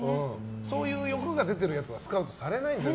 そういう欲が出てるやつはスカウトされないんですよ